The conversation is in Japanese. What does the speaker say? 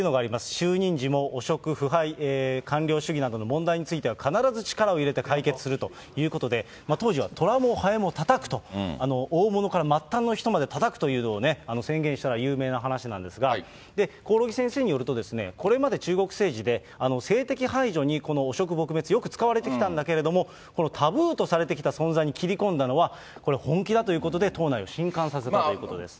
就任時も汚職、腐敗、官僚主義などの問題については必ず力を入れて解決するということで、当時は虎もハエもたたくと、大物から末端の人までたたくというのをね、宣言したというのが有名な話なんですが、興梠先生によりますと、これまで中国政治で、政敵排除に、この汚職撲滅、よく使われてきたんだけれども、タブーとされてきた存在に切り込んだのはこれ、本気だということで、党内をしんかんさせたということです。